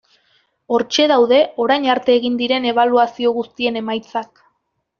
Hortxe daude orain arte egin diren ebaluazio guztien emaitzak.